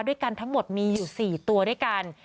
ด้วยกันทั้งหมดมีอยู่๔ตัวด้วยกัน